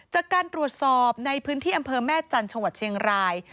จากการตรวจสอบในพื้นที่อำเภอแม่จันทร์จังหวัดเชียงราย